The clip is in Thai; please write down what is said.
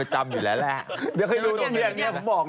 ประจำอยู่แล้วแล้วเดี๋ยวค่อยรู้ตรงนี้อันเนี้ยผมบอก